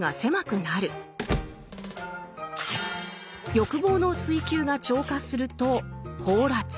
欲望の追求が超過すると「放埓」。